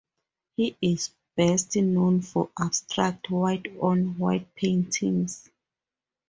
He is best known for abstract, white-on-white paintings.